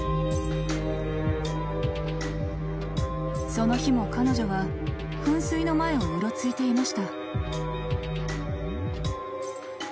［その日も彼女は噴水の前をうろついていました］